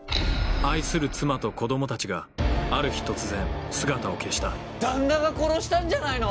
愛する妻と子供たちがある日突然姿を消した旦那が殺したんじゃないの？